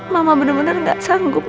mama bener bener gak sanggup